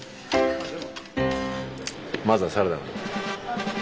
まずはサラダから。